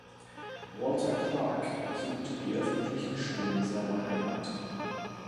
Walter Clark besuchte die öffentlichen Schulen seiner Heimat.